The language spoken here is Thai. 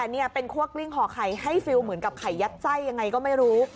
นี่เป็นคั่วกลิ้งห่อไข่ให้ฟิลเหมือนกับไข่ยัดไส้ยังไงก็ไม่รู้